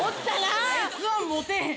あいつはモテへん！